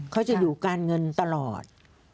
เขาจะอยู่การเงินตลอด